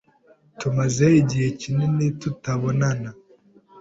Tumaze igihe kinini tutabonana.